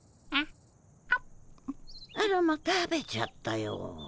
あらま食べちゃったよ。